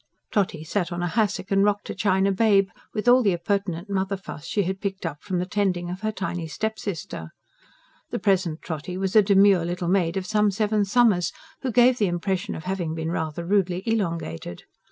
Trotty sat on a hassock and rocked a china babe, with all the appurtenant mother fuss she had picked up from the tending of her tiny stepsister. The present Trotty was a demure little maid of some seven summers, who gave the impression of having been rather rudely elongated.